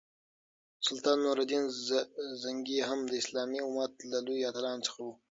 سلطان نور الدین زنګي هم د اسلامي امت له لویو اتلانو څخه وو.